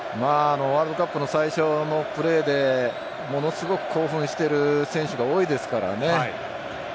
ワールドカップの最初のプレーでものすごく興奮している選手が多いですからね。